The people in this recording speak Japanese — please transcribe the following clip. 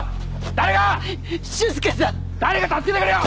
誰か助けてくれよ！